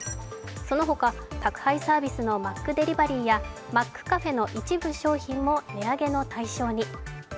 そのほか、宅配サービスのマックデリバリーやマックカフェの一部商品も値上げの対象に。